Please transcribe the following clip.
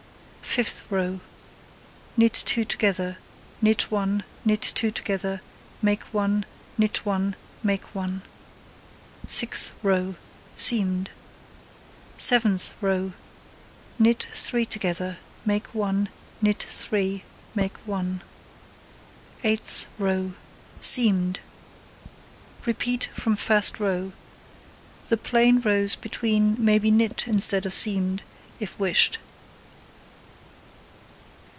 Fifth row: Knit 2 together, knit 1, knit 2 together, make 1, knit 1, make 1. Sixth row: Seamed. Seventh row: Knit 3 together, make 1, knit 3, make 1. Eighth row: Seamed. Repeat from first row. The plain rows between may be knit, instead of seamed, if wished.